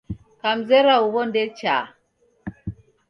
Kamzera huwo ndechaa